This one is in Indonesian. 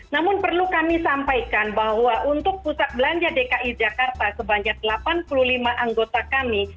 namun perlu kami sampaikan bahwa untuk pusat belanja dki jakarta sebanyak delapan puluh lima anggota kami